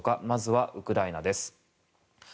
まずはウクライナです。